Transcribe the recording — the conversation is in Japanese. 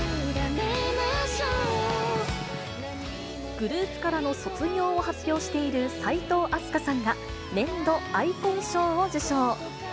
グループからの卒業を発表している齋藤飛鳥さんが、年度アイコン賞を受賞。